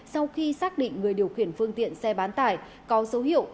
sau khi xác định người điều khiển phương tiện xe bán tải có dấu hiệu